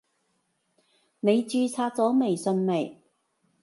你註冊咗微信未？